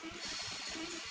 mereka semua sudah berhenti